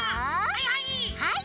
はいはい。